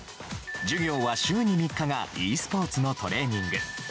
授業は週に３日がｅスポーツのトレーニング。